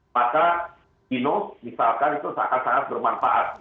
maka genos misalkan itu sangat sangat bermanfaat